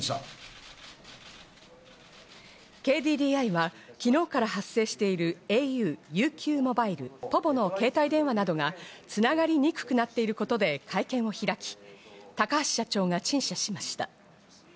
ＫＤＤＩは昨日から発生している、ａｕ、ＵＱモバイル、ｐｏｖｏの携帯電話などがつながりにくくなっていることで会見を開き、高橋社長が陳謝しました。